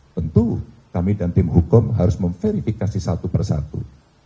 tentu kami dan tim hukum harus memverifikasi satu persatu